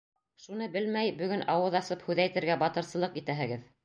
Шуны белмәй бөгөн ауыҙ асып һүҙ әйтергә батырсылыҡ итәһегеҙ!